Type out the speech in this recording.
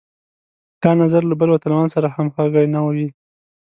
دا نظر له بل وطنوال سره همغږی نه وي.